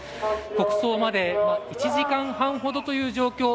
国葬まで１時間半ほどという状況